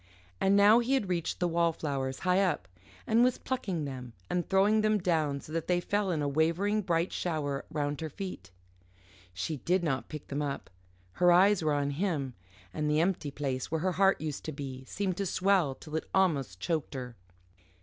And now he had reached the wallflowers high up, and was plucking them and throwing them down so that they fell in a wavering bright shower round her feet. She did not pick them up. Her eyes were on him; and the empty place where her heart used to be seemed to swell till it almost choked her.